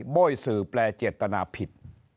โบ้ยสื่อแปลเจตนาผิด